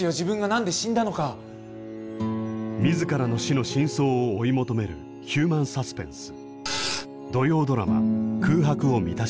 自らの死の真相を追い求めるヒューマンサスペンス。